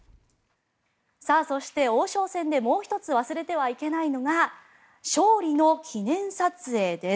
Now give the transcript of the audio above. そして、王将戦でもう１つ忘れてはいけないのが勝利の記念撮影です。